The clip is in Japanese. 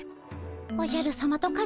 おじゃるさまとカズマさま